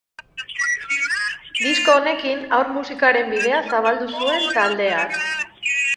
Disko honekin haur musikaren bidea zabaldu zuen taldeak.